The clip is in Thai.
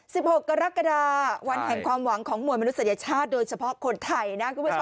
หกกรกฎาวันแห่งความหวังของมวลมนุษยชาติโดยเฉพาะคนไทยนะคุณผู้ชม